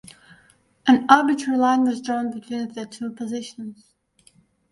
An arbitrary line was drawn between the two positions.